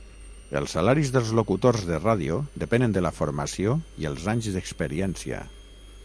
Els salaris dels locutors de ràdio depenen de la formació i els anys d'experiència.